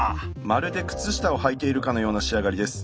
まるで靴下をはいているかのような仕上がりです。